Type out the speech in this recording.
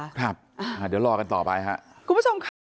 เดี๋ยวรอกันต่อไปครับ